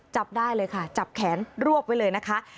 จับได้เลยค่ะจับแขนรวบไว้เลยนะคะ